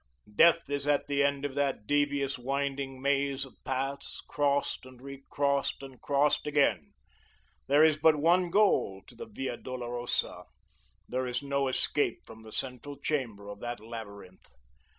Death is at the end of that devious, winding maze of paths, crossed and re crossed and crossed again. There is but one goal to the via dolorosa; there is no escape from the central chamber of that labyrinth.